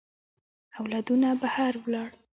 اولادونه بهر ولاړ.